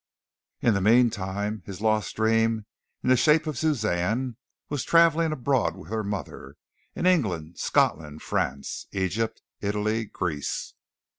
In the meantime his lost dream in the shape of Suzanne was traveling abroad with her mother in England, Scotland, France, Egypt, Italy, Greece.